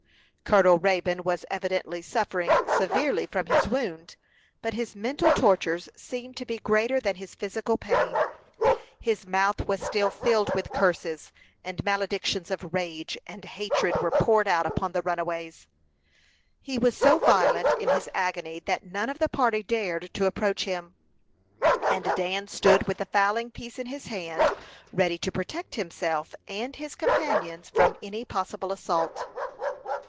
Colonel Raybone was evidently suffering severely from his wound, but his mental tortures seemed to be greater than his physical pain. His mouth was still filled with curses, and maledictions of rage and hatred were poured out upon the runaways. He was so violent in his agony, that none of the party dared to approach him, and Dan stood with the fowling piece in his hand, ready to protect himself and his companions from any possible assault.